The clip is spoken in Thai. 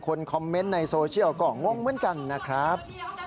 คอมเมนต์ในโซเชียลก็งงเหมือนกันนะครับ